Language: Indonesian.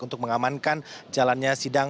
untuk mengamankan jalannya sidang